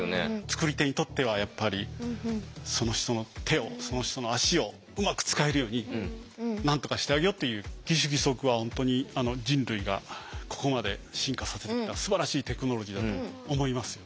作り手にとってはやっぱりその人の手をその人の足をうまく使えるようになんとかしてあげようっていう義手義足は本当に人類がここまで進化させてきたすばらしいテクノロジーだと思いますよ。